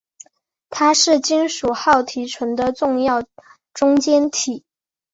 它是金属锆提纯的重要中间体。